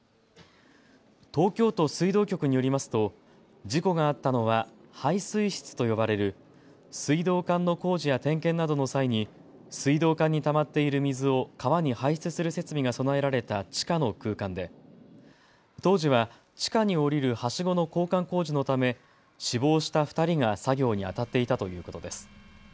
東京都水道局によりますと事故があったのは排水室と呼ばれる水道管の工事や点検などの際に水道管にたまっている水を川に排出する設備が備えられた地下の空間で当時は地下に降りるはしごの交換工事のため死亡した２人が作業にあたっていたということです。